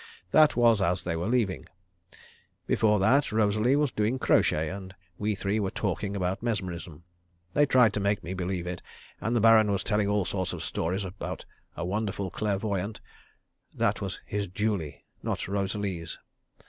That was as they were leaving. Before that, Rosalie was doing crochet, and we three were talking about mesmerism. They tried to make me believe it, and the Baron was telling all sorts of stories about a wonderful clairvoyante. That was his Julie, not Rosalie's.